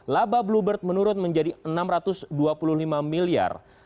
laba bluebird menurun menjadi enam ratus dua puluh lima miliar